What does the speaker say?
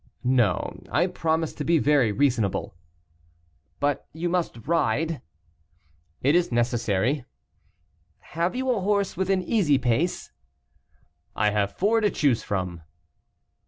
"No, I promise to be very reasonable." "But you must ride." "It is necessary." "Have you a horse with an easy pace? "I have four to choose from."